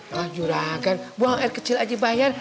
hah juragan buang air kecil aja bayar